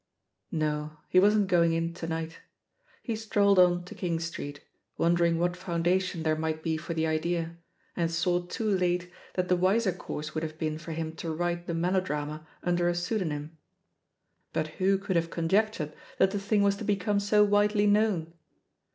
'* No, he wasn't going in to night. He strolled on to King Street, wondering what foimdation there might be for the idea, and saw too late that the wiser course would have been for him to write the melodrama under a pseudonym. But who ITHE POSITION OF PEGGY HARPER 17» •ould have conjectured that the thing was to be eome so widely known?